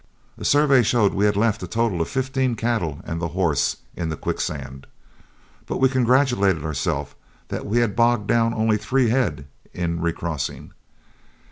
A survey showed we had left a total of fifteen cattle and the horse in the quicksands. But we congratulated ourselves that we had bogged down only three head in recrossing.